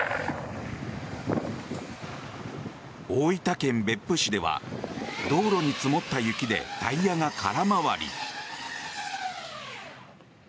大分県別府市では道路に積もった雪でタイヤが空回り。